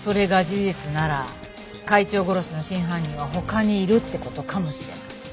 事実なら会長殺しの真犯人は他にいるって事かもしれない。